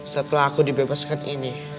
setelah aku dibebaskan ini